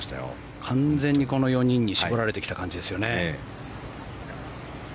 完全にこの４人に絞られてきた感じですよね。